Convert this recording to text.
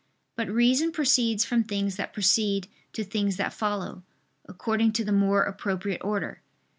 But reason proceeds from things that precede to things that follow, according to the more appropriate order.